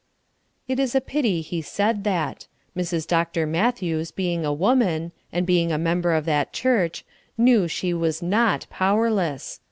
It is a pity he said that. Mrs. Dr. Matthews being a woman, and being a member of that church, knew she was not powerless.